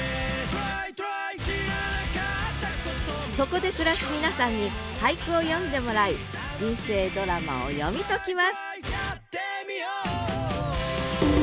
そこで暮らす皆さんに俳句を詠んでもらい人生ドラマを読み解きます